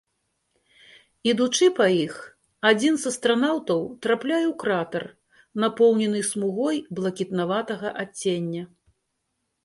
Ідучы па іх, адзін з астранаўтаў трапляе у кратар, напоўнены смугой блакітнаватага адцення.